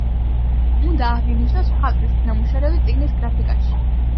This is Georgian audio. უნდა აღინიშნოს მხატვრის ნამუშევრები წიგნის გრაფიკაში.